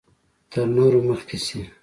تر نورو مخکې شي.